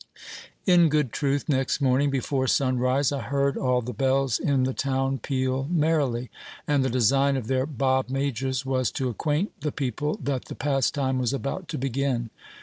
In good truth, next morning, before sun rise, I heard all the bells in the town peal merrily ; and the design of their bob majors was to acquaint the people that the pastime was about to begin.